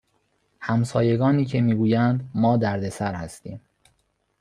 همسایگانی که می گویند ما دردسر هستیم